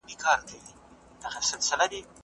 زه اوږده وخت درسونه اورم وم؟